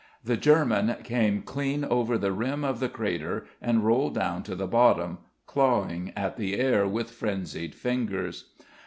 The German came clean over the rim of the crater and rolled down to the bottom, clawing at the air with frenzied fingers.